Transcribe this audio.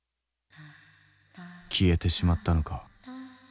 消えてしまったのか。